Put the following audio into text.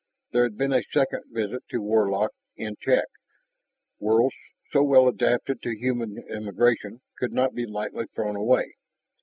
There had been a second visit to Warlock in check; worlds so well adapted to human emigration could not be lightly thrown away.